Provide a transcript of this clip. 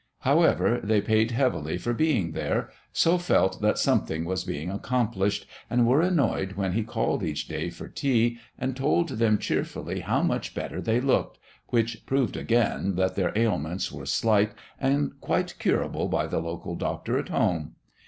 However, they paid heavily for being there, so felt that something was being accomplished, and were annoyed when he called each day for tea, and told them cheerfully how much better they looked which proved, again, that their ailments were slight and quite curable by the local doctor at home.